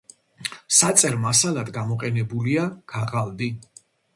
საწერ მასალად გამოყენებულია ქაღალდი.